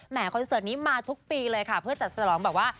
คอนเสิร์ตนี้มาทุกปีเลยค่ะเพื่อจัดฉลองแบบว่า